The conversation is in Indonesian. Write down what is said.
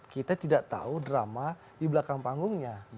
kita tidak tahu drama di belakang panggungnya